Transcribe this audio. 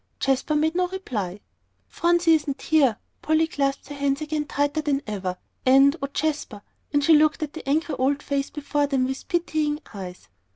Jasper made no reply. "Phronsie isn't here." Polly clasped her hands again tighter than ever. "And, oh, Jasper!" and she looked at the angry old face before them with pitying eyes.